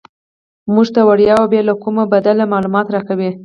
موږ ته وړیا او بې له کوم بدل معلومات راکوي.